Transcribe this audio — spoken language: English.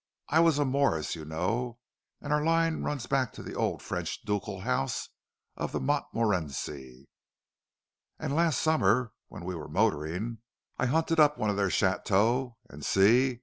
I was a Morris, you know, and our line runs back to the old French ducal house of Montmorenci. And last summer, when we were motoring, I hunted up one of their chateaux; and see!